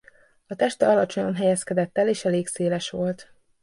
A teste alacsonyan helyezkedett el és elég széles volt.